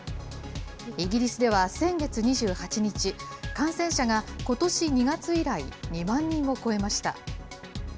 イギリスでは、先月２８日、感染者がことし２月以来、２万人を超えました。